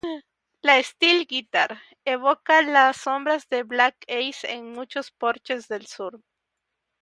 La "steel guitar" evoca las sombras de Black Ace en muchos porches del Sur.